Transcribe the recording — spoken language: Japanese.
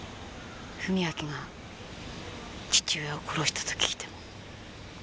史明が父親を殺したと聞いても。